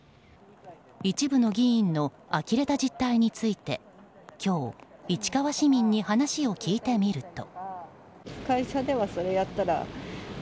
一部の議員のあきれた実態について今日、市川市民に話を聞いてみると。